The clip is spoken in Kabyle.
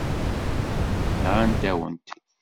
Nɣant-awen-t.